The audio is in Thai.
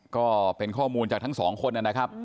ก็เป็นข้อมูลจากทั้งสองคนนะครับ